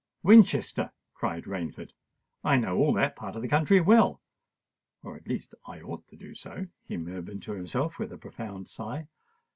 "Winchester!" cried Rainford. "I know all that part of the country well—or at least I ought to do so," he murmured to himself, with a profound sigh.